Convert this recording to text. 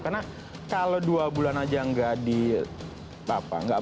karena kalau dua bulan saja tidak